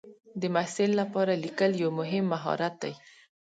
د محصل لپاره لیکل یو مهم مهارت دی.